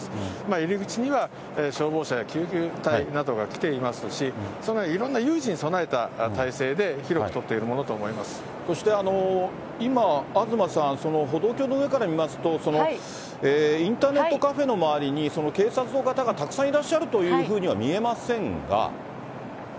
入り口には消防車や救急隊などが来ていますし、さらにいろんな有事に備えた態勢で、そして、今、東さん、歩道橋の上から見ますと、インターネットカフェの周りに、警察の方がたくさんいらっしゃるというふうには見えませんが。